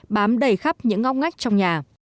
bám đầy khắp những ngóc ngách trong nhà